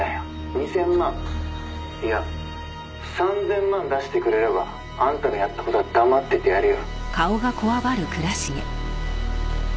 「２０００万いや３０００万出してくれればあんたがやった事は黙っててやるよ」